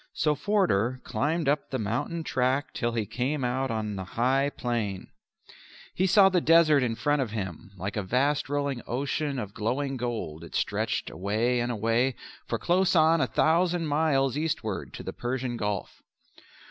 So Forder climbed up the mountain track till he came out on the high plain. He saw the desert in front of him like a vast rolling ocean of glowing gold it stretched away and away for close on a thousand miles eastward to the Persian Gulf.